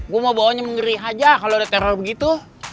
gue mau bawanya mengerih aja kalau ada teror begitu